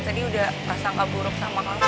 tadi udah pasangkah buruk sama kamu